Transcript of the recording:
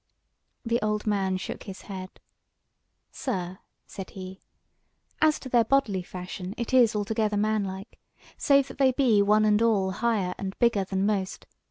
The old man shook his head. "Sir," said he, "as to their bodily fashion, it is altogether manlike, save that they be one and all higher and bigger than most.